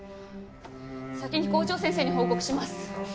先に校長先生に報告します。